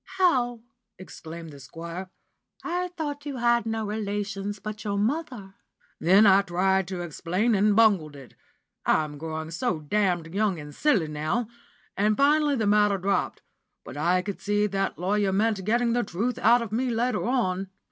'How?' exclaimed the Squire, 'I thought you had no relations but your mother?' Then I tried to explain, and bungled it I'm growing so damned young and silly now and finally the matter dropped, but I could see that lawyer meant getting the truth out of me later on.